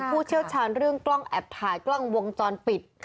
ผู้เชี่ยวชาญเรื่องกล้องแอบถ่ายกล้องวงจรปิด